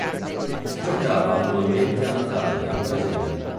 Si giocava annualmente a Natal in Brasile.